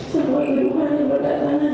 semua kehidupan yang berdatangan